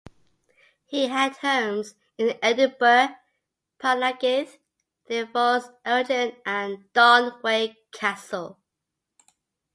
He had homes in Edinburgh, Balnageith near Forres, Elgin and Darnaway Castle.